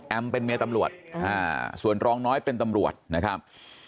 เป็นเมียตำรวจส่วนรองน้อยเป็นตำรวจนะครับ